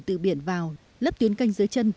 từ biển vào lấp tuyến canh dưới chân